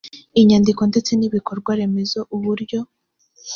inyandiko ndetse n’ibikorwaremezo uburyo